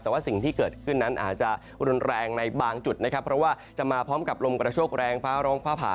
แต่ว่าสิ่งที่เกิดขึ้นนั้นอาจจะรุนแรงในบางจุดนะครับเพราะว่าจะมาพร้อมกับลมกระโชคแรงฟ้าร้องฟ้าผ่า